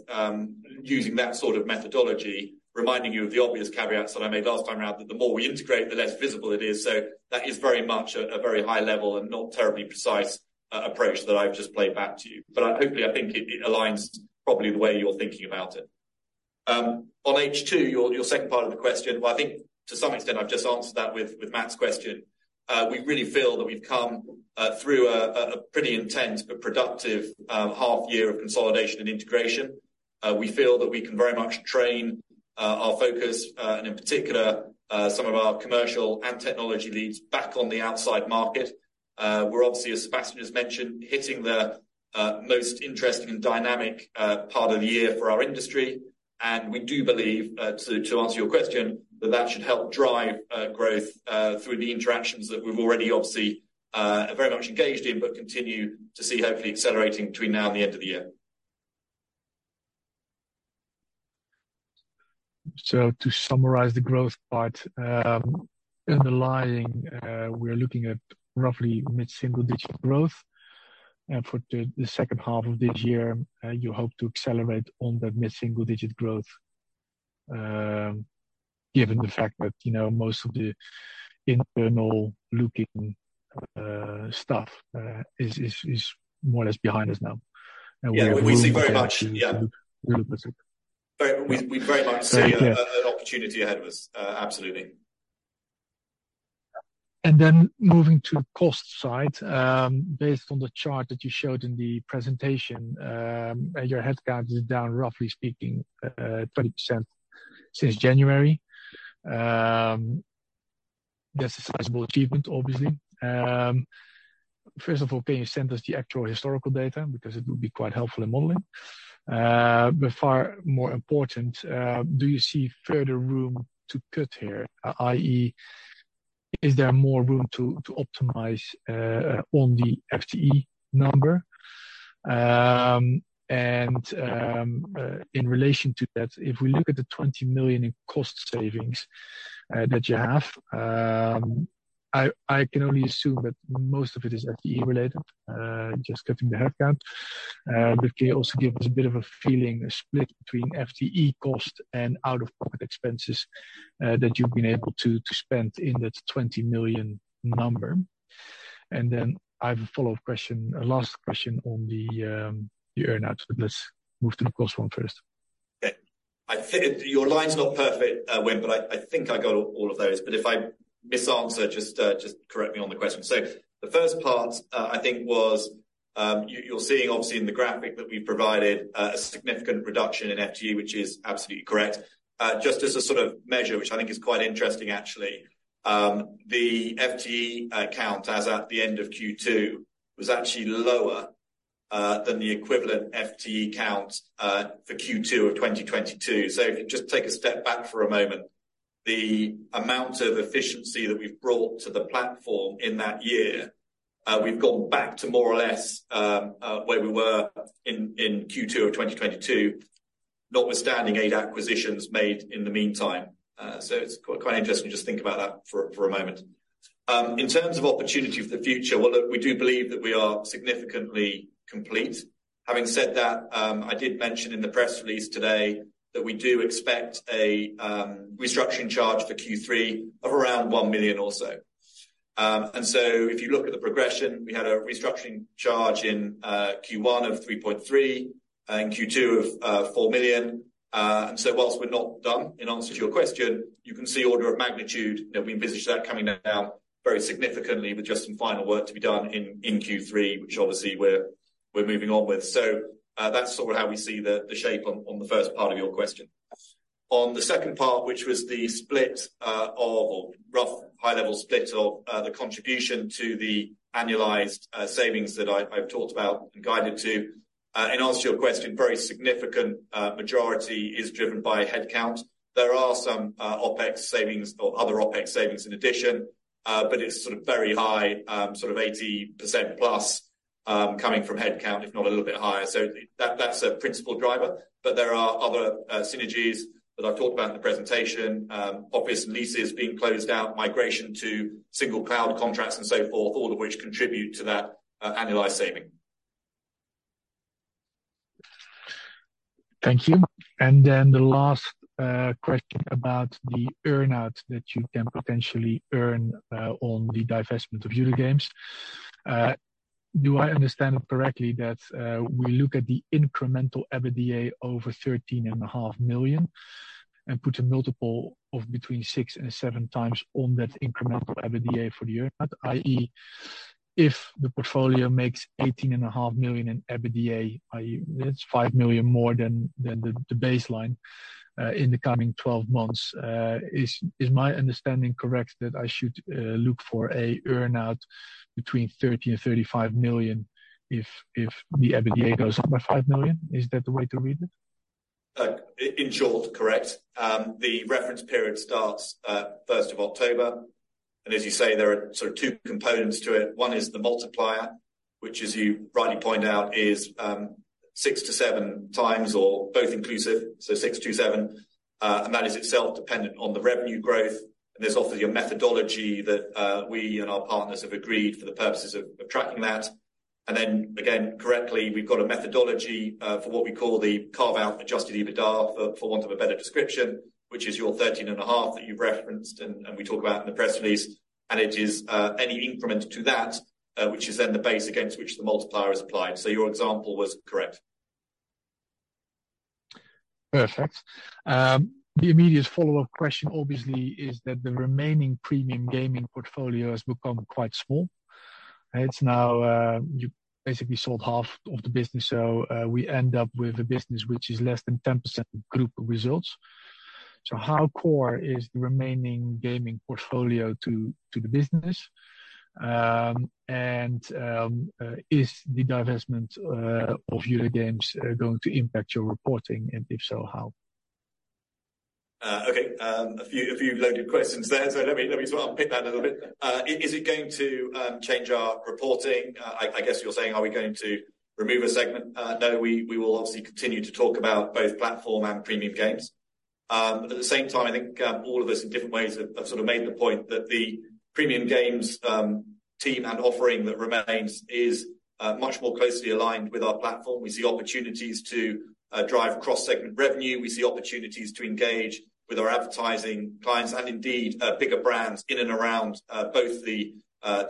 using that sort of methodology, reminding you of the obvious caveats that I made last time around, that the more we integrate, the less visible it is. So that is very much at a very high level and not terribly precise approach that I've just played back to you. But, hopefully, I think it aligns probably the way you're thinking about it. On H2, your second part of the question, well, I think to some extent I've just answered that with Matt's question. We really feel that we've come through a pretty intense but productive half year of consolidation and integration. We feel that we can very much train our focus and in particular some of our commercial and technology leads back on the outside market. We're obviously, as Sebastiaan has mentioned, hitting the most interesting and dynamic part of the year for our industry. We do believe, to answer your question, that that should help drive growth through the interactions that we've already obviously very much engaged in, but continue to see, hopefully accelerating between now and the end of the year. To summarize the growth part, underlying, we're looking at roughly mid-single-digit growth. For the second half of this year, you hope to accelerate on that mid-single-digit growth, given the fact that, you know, most of the internal looking stuff is more or less behind us now, and we. Yeah, we see very much, yeah. We look as it. But we very much see. Yeah. An opportunity ahead of us. Absolutely. And then moving to cost side, based on the chart that you showed in the presentation, your headcount is down, roughly speaking, 20% since January. That's a sizable achievement, obviously. First of all, can you send us the actual historical data? Because it would be quite helpful in modeling. But far more important, do you see further room to cut here? i.e., is there more room to, to optimize, on the FTE number? And, in relation to that, if we look at the 20 million in cost savings, that you have, I, I can only assume that most of it is FTE related, just cutting the headcount. But can you also give us a bit of a feeling, a split between FTE cost and out-of-pocket expenses, that you've been able to spend in that 20 million number? And then I have a follow-up question, a last question on the earn-out, but let's move to the cost one first. Okay. I think your line's not perfect, Wim, but I think I got all of those. But if I misanswer, just correct me on the question. So the first part, I think was, you're seeing obviously in the graphic that we provided, a significant reduction in FTE, which is absolutely correct. Just as a sort of measure, which I think is quite interesting actually, the FTE count, as at the end of Q2, was actually lower than the equivalent FTE count for Q2 of 2022. So if you just take a step back for a moment, the amount of efficiency that we've brought to the platform in that year, we've gone back to more or less where we were in Q2 of 2022, notwithstanding eight acquisitions made in the meantime. So it's quite interesting to just think about that for, for a moment. In terms of opportunity for the future, well, look, we do believe that we are significantly complete. Having said that, I did mention in the press release today that we do expect a restructuring charge for Q3 of around 1 million or so. And so if you look at the progression, we had a restructuring charge in Q1 of 3.3 million, and Q2 of 4 million. And so whilst we're not done, in answer to your question, you can see order of magnitude, that we envisage that coming down very significantly with just some final work to be done in Q3, which obviously we're moving on with. So, that's sort of how we see the shape on the first part of your question. On the second part, which was the split, of or rough high-level split of, the contribution to the annualized, savings that I, I've talked about and guided to, in answer to your question, very significant, majority is driven by headcount. There are some, OpEx savings or other OpEx savings in addition, but it's sort of very high, sort of 80%+, coming from headcount, if not a little bit higher. So that, that's a principal driver, but there are other, synergies that I've talked about in the presentation. Office leases being closed out, migration to single cloud contracts and so forth, all of which contribute to that, annualized saving. Thank you. And then the last question about the earn-out that you can potentially earn on the divestment of Youda Games. Do I understand it correctly that we look at the incremental EBITDA over 13.5 million and put a multiple of 6x-7x on that incremental EBITDA for the earn-out? i.e., if the portfolio makes 18.5 million in EBITDA, i.e. it's 5 million more than the baseline in the coming twelve months, is my understanding correct, that I should look for an earn-out between 30 million-35 million if the EBITDA goes up by 5 million? Is that the way to read it? In short, correct. The reference period starts at first of October, and as you say, there are sort of two components to it. One is the multiplier, which as you rightly point out, is 6x-7x, both inclusive, so 6x-7x. And that is itself dependent on the revenue growth, and there's obviously a methodology that we and our partners have agreed for the purposes of tracking that. And then again, correctly, we've got a methodology for what we call the carve-out adjusted EBITDA, for want of a better description, which is your 13.5 million that you've referenced, and we talk about in the press release, and it is any increment to that which is then the base against which the multiplier is applied. So your example was correct. Perfect. The immediate follow-up question, obviously, is that the remaining premium gaming portfolio has become quite small. It's now, you basically sold half of the business, so we end up with a business which is less than 10% group results. So how core is the remaining gaming portfolio to the business? And is the divestment of your games going to impact your reporting, and if so, how? Okay, a few loaded questions there, so let me unpick that a little bit. Is it going to change our reporting? I guess you're saying, are we going to remove a segment? No, we will obviously continue to talk about both platform and premium games. But at the same time, I think all of us in different ways have sort of made the point that the premium games team and offering that remains is much more closely aligned with our platform. We see opportunities to drive cross-segment revenue. We see opportunities to engage with our advertising clients and indeed bigger brands in and around both the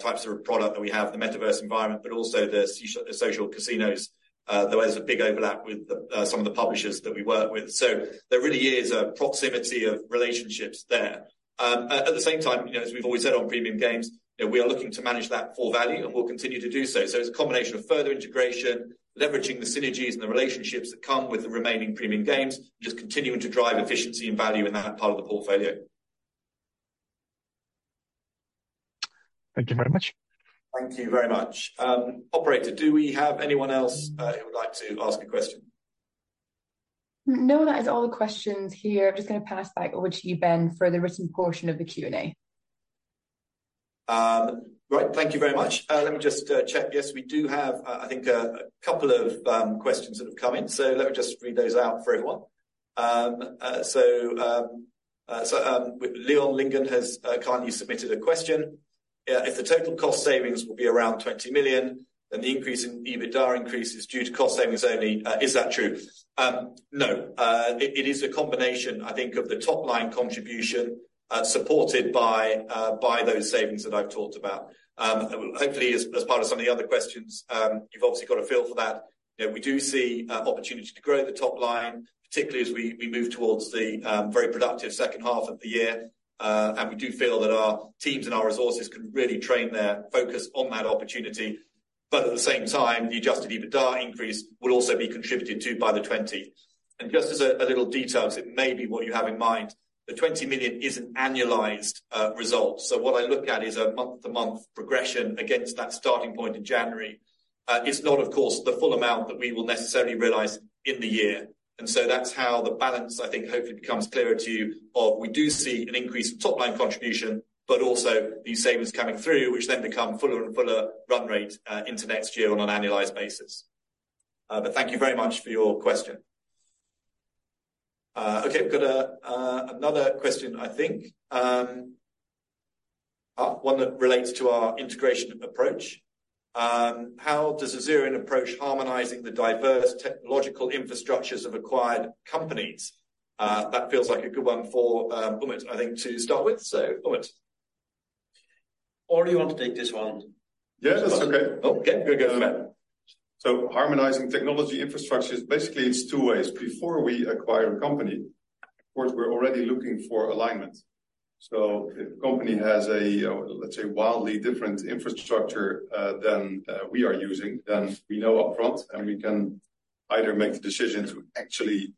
types of product that we have, the metaverse environment, but also the social casinos. There is a big overlap with some of the publishers that we work with. So there really is a proximity of relationships there. At the same time, you know, as we've always said on Premium Games, we are looking to manage that for value, and we'll continue to do so. So it's a combination of further integration, leveraging the synergies and the relationships that come with the remaining Premium Games, just continuing to drive efficiency and value in that part of the portfolio. Thank you very much. Thank you very much. Operator, do we have anyone else who would like to ask a question? No, that is all the questions here. I'm just gonna pass back over to you, Ben, for the written portion of the Q&A. Right. Thank you very much. Let me just check. Yes, we do have, I think, a couple of questions that have come in, so let me just read those out for everyone. So, Leon Lincoln has kindly submitted a question. If the total cost savings will be around 20 million, then the increase in EBITDA increase is due to cost savings only. Is that true? No, it is a combination, I think, of the top-line contribution, supported by those savings that I've talked about. Hopefully, as part of some of the other questions, you've obviously got a feel for that. You know, we do see, opportunity to grow the top line, particularly as we, we move towards the, very productive second half of the year. And we do feel that our teams and our resources can really train their focus on that opportunity. But at the same time, the adjusted EBITDA increase will also be contributed to by the 20 million. And just as a little detail to it, maybe what you have in mind, the 20 million is an annualized result. So what I look at is a month-to-month progression against that starting point in January. It's not, of course, the full amount that we will necessarily realize in the year. And so that's how the balance, I think, hopefully becomes clearer to you of, we do see an increase in top-line contribution, but also these savings coming through, which then become fuller and fuller run rate into next year on an annualized basis. But thank you very much for your question. Okay, we've got a another question, I think. One that relates to our integration approach. How does Azerion approach harmonizing the diverse technological infrastructures of acquired companies? That feels like a good one for Umut, I think, to start with. So, Umut. Or do you want to take this one? Yes, that's okay. Okay. Go ahead. So harmonizing technology infrastructure is basically, it's two ways. Before we acquire a company, of course, we're already looking for alignment. So if the company has a, let's say, wildly different infrastructure than we are using, then we know upfront, and we can either make the decision to actually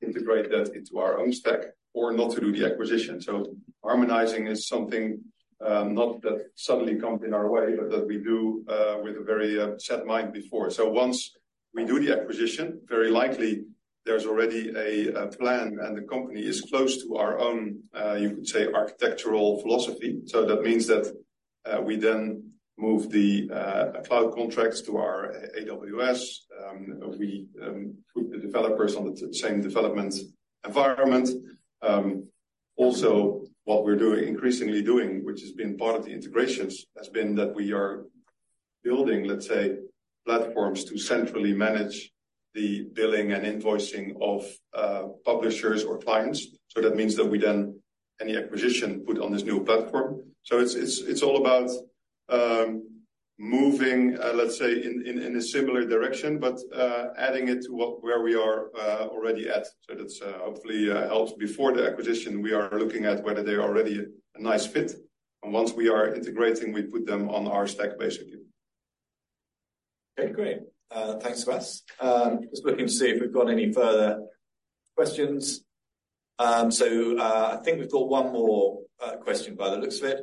integrate that into our own stack or not to do the acquisition. So harmonizing is something not that suddenly come in our way, but that we do with a very set mind before. So once we do the acquisition, very likely there's already a plan, and the company is close to our own, you could say, architectural philosophy. So that means that we then move the cloud contracts to our AWS. We put the developers on the same development environment. Also, what we're increasingly doing, which has been part of the integrations, has been that we are building, let's say, platforms to centrally manage the billing and invoicing of publishers or clients. So that means that we then, any acquisition, put on this new platform. So it's all about moving, let's say, in a similar direction, but adding it to what, where we are already at. So that hopefully helps. Before the acquisition, we are looking at whether they're already a nice fit, and once we are integrating, we put them on our stack, basically. Okay, great. Thanks, Wes. Just looking to see if we've got any further questions. So, I think we've got one more question by the looks of it,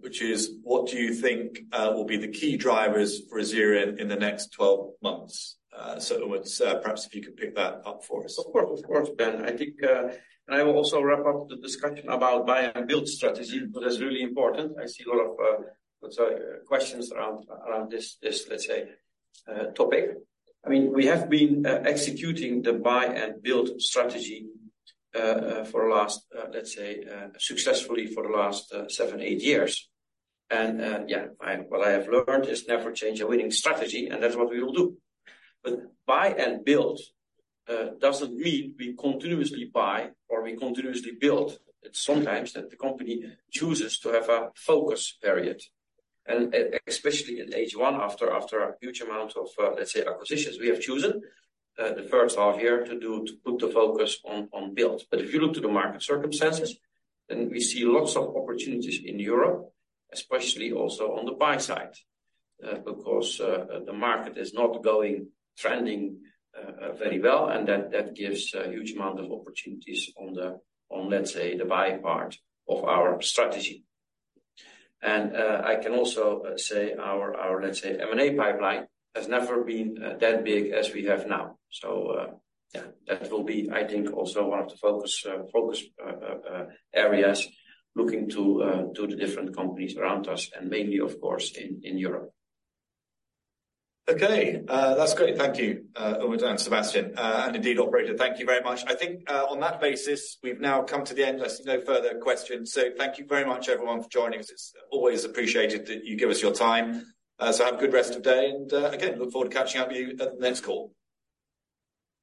which is: What do you think will be the key drivers for Azerion in the next 12 months? So, Umut, perhaps if you could pick that up for us. Of course, of course, Ben. I think. I will also wrap up the discussion about buy and build strategy, but that's really important. I see a lot of questions around this, let's say, topic. I mean, we have been executing the buy and build strategy successfully for the last seven to eight years. Yeah, and what I have learned is never change a winning strategy, and that's what we will do. But buy and build doesn't mean we continuously buy or we continuously build. It's sometimes that the company chooses to have a focus period, and especially in H1, after a huge amount of, let's say, acquisitions, we have chosen the first half year to put the focus on build. But if you look to the market circumstances, then we see lots of opportunities in Europe, especially also on the buy side. Because the market is not going trending very well, and that gives a huge amount of opportunities on the, let's say, the buy part of our strategy. And I can also say our, let's say, M&A pipeline has never been that big as we have now. So yeah, that will be, I think, also one of the focus areas looking to the different companies around us and mainly, of course, in Europe. Okay, that's great. Thank you, Umut and Sebastiaan, and indeed, operator, thank you very much. I think, on that basis, we've now come to the end. I see no further questions. So thank you very much, everyone, for joining us. It's always appreciated that you give us your time. So have a good rest of the day, and again, look forward to catching up with you at the next call.